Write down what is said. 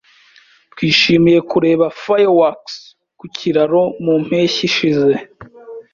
Twishimiye kureba fireworks ku kiraro mu mpeshyi ishize.